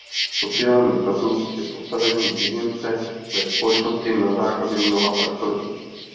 Sociální status je postavení jedince ve společnosti na základě mnoha faktorů.